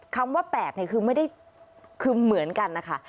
คำว่าแปลกคือไม่ได้คือเหมือนกันนะคะ